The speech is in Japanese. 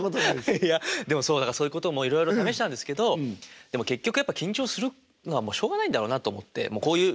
いやでもそうそういうこともいろいろ試したんですけどでも結局やっぱ緊張するのはもうしょうがないんだろうなと思ってこういう性分なんだろうなと思って。